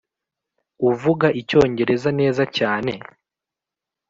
uvuga icyongereza neza cyane?